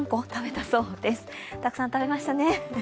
たくさん食べましたね。